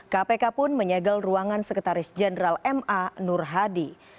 kpk pun menyegel ruangan sekretaris jenderal ma nur hadi